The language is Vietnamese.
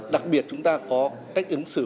đặc biệt chúng ta có cách ứng xử